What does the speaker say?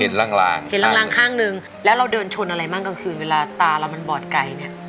เห็นรางข้างหนึ่งแล้วเราเดินชนอะไรบ้างกลางคืนเวลาตาเรามันบอดไก่เนี่ย